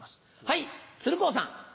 はい鶴光さん。